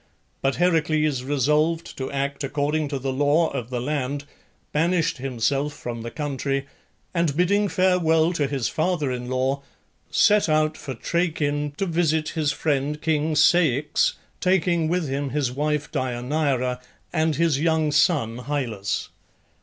But Heracles resolved to act according to the law of the land, banished himself from the country, and bidding farewell to his father in law, set out for Trachin to visit his friend King Ceyx, taking with him his wife Deianeira, and his young son Hyllus.